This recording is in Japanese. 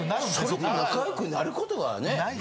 それで仲良くなることがね。